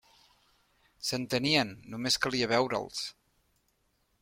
S'entenien, només calia veure'ls!